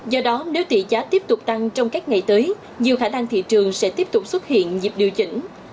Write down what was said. do đó nếu tỷ giá tiếp tục tăng trong các ngày tới nhiều khả năng thị trường sẽ tiếp tục xuất hiện dịp điều chỉnh